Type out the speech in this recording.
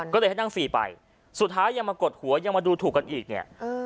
ก็เลยให้นั่งฟรีไปสุดท้ายยังมากดหัวยังมาดูถูกกันอีกเนี่ย